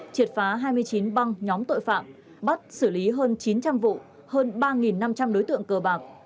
triệt phá hai mươi chín băng nhóm tội phạm bắt xử lý hơn chín trăm linh vụ hơn ba năm trăm linh đối tượng cờ bạc